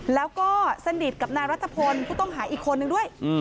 แล้วก็สนิทกับนายรัฐพลผู้ต้องหาอีกคนนึงด้วย